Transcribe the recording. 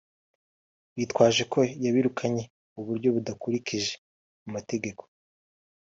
bitwaje ko yabirukanye mu buryo budakurikije amategeko